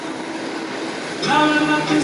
Escribió su tesis doctoral sobre Gottlob Frege.